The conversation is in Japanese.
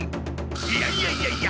いやいやいやいや！